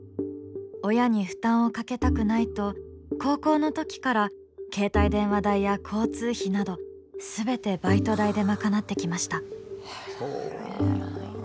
親に負担をかけたくないと高校のときから携帯電話代や交通費などすべてバイト代でまかなってきました。